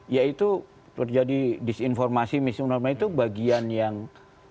ya itu terjadi disinformasi misi unorma itu bagian yang memang selalu terjadi gitu loh